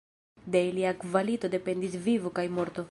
De ilia kvalito dependis vivo kaj morto.